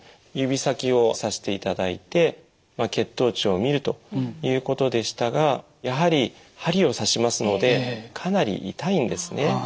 指先を刺していただいて血糖値を見るということでしたがやはり針を刺しますのでかなり痛いんですね。